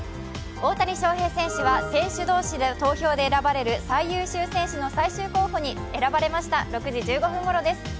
大谷翔平選手は選手同士の投票で選ばれる最優秀選手の最終候補に選ばれました、６時１５分ごろです。